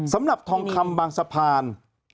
สำหรับทองคำบางสะพาน